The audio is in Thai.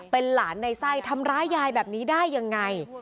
เป็นหลานในไส้ทำร้ายยายแบบนี้ได้ยังไง